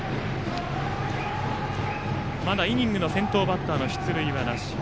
まだイニングの先頭バッターの出塁はなし。